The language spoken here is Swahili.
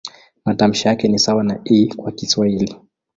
Matamshi yake ni sawa na "i" kwa Kiswahili.